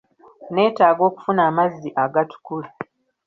Netaaga okufuna amazzi agatukula.